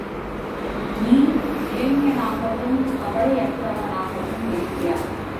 நீ இளைஞனாகவும் கவலையற்றவனாகவும் இருக்கிறாய்.